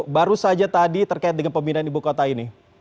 baru saja tadi terkait dengan pemindahan ibu kota ini